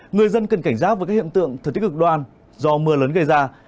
người dân cần cảnh giác với các hiện tượng thực tích ực đoan do mưa lớn gây ra